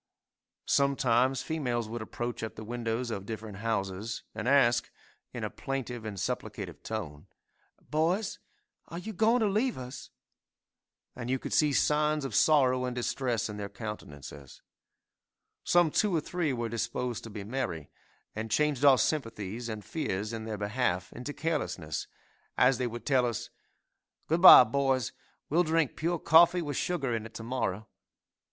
Sometimes females would approach at the windows of different houses and ask, in a plaintive and supplicative tone, "Boys, are you going to leave us?" And you could see signs of sorrow and distress in their countenances. Some two or three were disposed to be merry, and changed our sympathies and fears in their behalf into carelessness, as they would tell us, "Good bye, boys, we'll drink pure coffee with sugar in it to morrow!